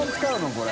これ。